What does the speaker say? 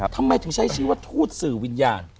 ทำไมถึงใช้ชื่อว่าทูตสื่อวิญญาณ